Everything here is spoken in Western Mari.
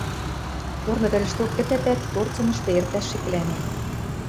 Корны тӹрӹшток кӹтӓтӓт, торцынышты эртӓш шеклӓнем.